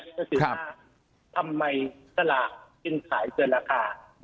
ก็คือว่าทำไมสลากจึงขายเกินราคา